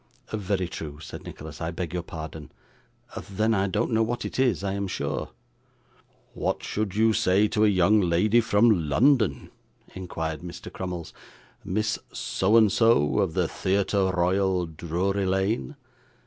'Very true,' said Nicholas. 'I beg your pardon. Then I don't know what it is, I am sure.' 'What should you say to a young lady from London?' inquired Mr. Crummles. 'Miss So and so, of the Theatre Royal, Drury Lane?